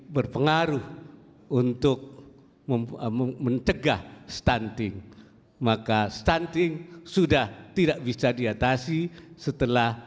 berpengaruh untuk mencegah stunting maka stunting sudah tidak bisa diatasi setelah